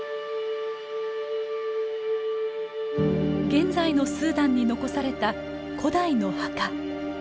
現在のスーダンに残された古代の墓。